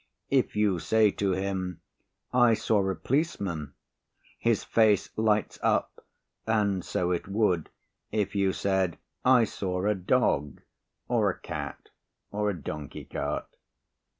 If you say to him, "I saw a policeman," his face lights up and so it would if you said "I saw a dog," or a cat, or a donkey cart.